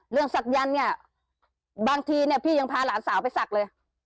เพราะฉะนั้นบางทีพี่ยังพาหลานสาวไปศักดิ์เลย